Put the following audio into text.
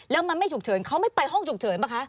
แล้วมันไม่ฉุกเฉินเขาไม่ไปห้องฉุกเฉินป่ะคะ